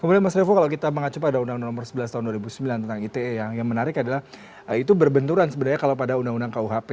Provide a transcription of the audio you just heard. kemudian mas revo kalau kita mengacu pada undang undang nomor sebelas tahun dua ribu sembilan tentang ite yang menarik adalah itu berbenturan sebenarnya kalau pada undang undang kuhp